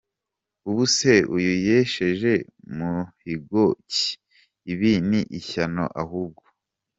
Ubuse uyu yesheje muhigo ki? Ibi ni ishyano ahubwo.